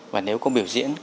và nếu có biểu diễn